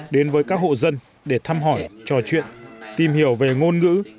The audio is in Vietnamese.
đến với các hộ dân để thăm hỏi trò chuyện tìm hiểu về ngôn ngữ